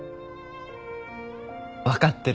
分かってる。